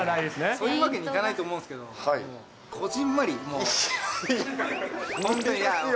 そういうわけにいかないと思うんですけど、こぢんまり挙げたい。